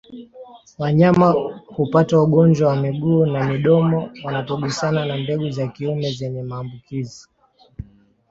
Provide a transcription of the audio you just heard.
Wanyama hupata ugonjwa wa miguu na midomo wanapogusana na mbegu za kiume zenye maambukizi